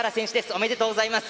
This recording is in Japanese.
おめでとうございます。